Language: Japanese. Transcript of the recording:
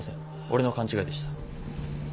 俺の勘違いでした。